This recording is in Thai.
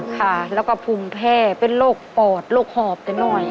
ค่ะแล้วก็ภูมิแพ้เป็นโรคปอดโรคหอบแต่หน่อย